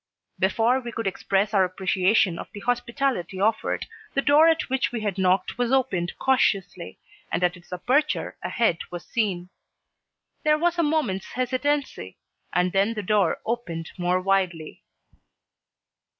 Before we could express our appreciation of the hospitality offered, the door at which we had knocked was opened cautiously, and at its aperture a head was seen. There was a moment's hesitancy and then the door opened more widely.